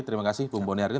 terima kasih bung boni arjen